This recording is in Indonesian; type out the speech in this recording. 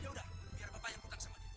yaudah biar papa yang hutang sama dia